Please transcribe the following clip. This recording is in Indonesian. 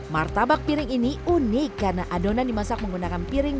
martabak piring ini unik karena adonan dimasak menggunakan piring